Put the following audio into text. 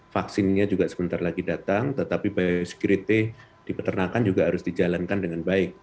vaksinnya juga sebentar lagi datang tetapi biosecurity di peternakan juga harus dijalankan dengan baik